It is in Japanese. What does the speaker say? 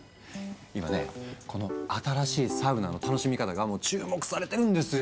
今ねこの新しいサウナの楽しみ方が注目されてるんですよ。